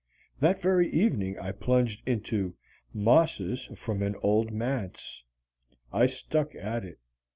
That very evening I plunged into "Mosses from an Old Manse." I stuck at it.